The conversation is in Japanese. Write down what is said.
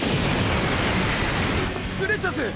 プレシャス！